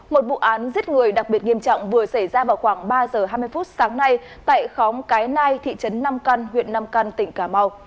một vụ án giết người đặc biệt nghiêm trọng vừa xảy ra vào khoảng ba giờ hai mươi phút sáng nay tại khóm cái nai thị trấn nam căn huyện nam căn tỉnh cà mau